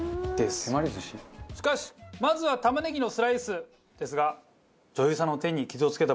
しかしまずは玉ねぎのスライスですが。